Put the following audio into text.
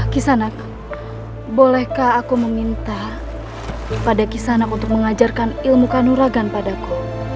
kisah anak bolehkah aku meminta pada kisanak untuk mengajarkan ilmu kanuraga padaku